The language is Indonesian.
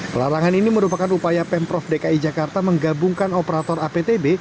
pelarangan ini merupakan upaya pemprov dki jakarta menggabungkan operator aptb